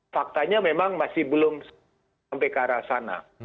faktanya memang masih belum sampai ke arah sana